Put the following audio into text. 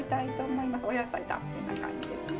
お野菜たっぷりな感じですね。